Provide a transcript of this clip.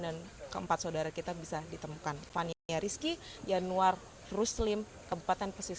dan keempat saudara kita bisa berjaya